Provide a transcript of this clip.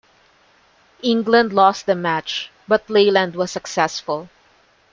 England lost the match, but Leyland was successful.